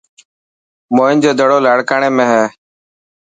موهن جو دڙو لاڻڪاڻي ۾ هي.